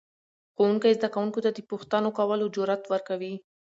ښوونکی زده کوونکو ته د پوښتنو کولو جرأت ورکوي